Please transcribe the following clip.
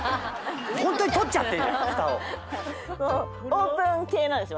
オープン系なんですよ